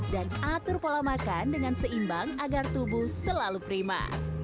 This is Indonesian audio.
dan atur pola makan dengan seimbang agar tubuh selalu prima